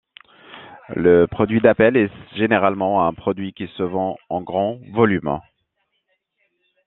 Le produit d'appel est généralement un produit qui se vend en grand volume.